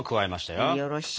よろしい！